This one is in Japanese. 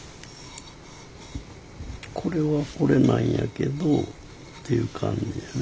これはこれなんやけどっていう感じですね。